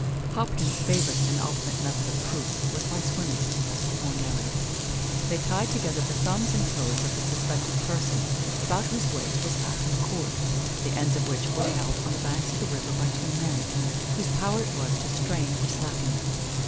Hopkins' favourite and ultimate method of proof was by swimming, as before narrated. They tied together the thumbs and toes of the suspected person, about whose waist was fastened a cord, the ends of which were held on the banks of the river by two men, whose power it was to strain or slacken it.